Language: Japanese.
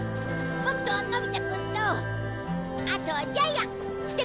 ボクとのび太くんとあとジャイアン来てくれるかい？